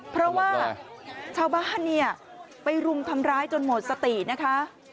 เพราะว่าชาวบ้านเนี่ยไปรุมทำร้ายจนหมดสตินะคะ